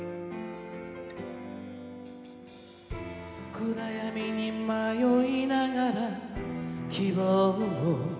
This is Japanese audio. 「暗闇に迷いながら希望を」